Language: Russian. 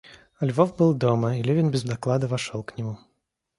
Львов был дома, и Левин без доклада вошел к нему.